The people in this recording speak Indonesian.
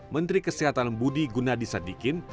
menteri kesehatan budi gunadisadikin